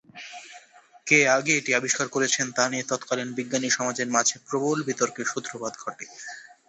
কে আগে এটি আবিষ্কার করেছেন তা নিয়ে তৎকালীন বিজ্ঞানী সমাজের মাঝে প্রবল বিতর্কের সূত্রপাত ঘটে।